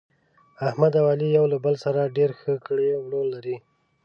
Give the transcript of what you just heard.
احمد او علي یو له بل سره ډېر ښه کړه وړه لري.